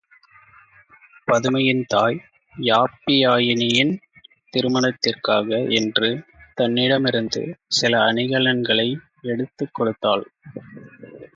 பதுமையின் தாய், யாப்பியாயினியின் திருமணத்திற்காக என்று தன்னிடமிருந்து சில அணிகலன்களை எடுத்துக் கொடுத்தாள்.